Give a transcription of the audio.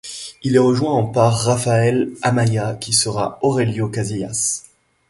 Il est rejoint en par Rafael Amaya qui sera Aurelio Casillas.